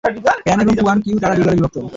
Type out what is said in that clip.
Pan এবং কু আন কিউ তারা দুই দলে বিভক্ত।